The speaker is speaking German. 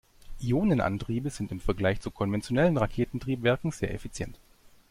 Ionenantriebe sind im Vergleich zu konventionellen Raketentriebwerken sehr effizient.